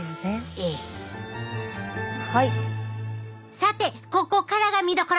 さてここからが見どころ！